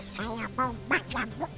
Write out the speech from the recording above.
saya mau baca buku